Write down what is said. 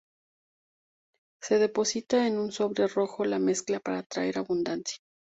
Se deposita en un sobre rojo la mezcla para traer abundancia.